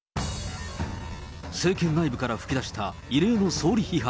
政権内部から噴き出した異例の総理批判。